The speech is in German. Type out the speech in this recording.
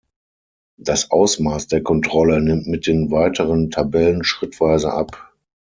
Das Ausmaß der Kontrolle nimmt mit den weiteren Tabellen schrittweise ab.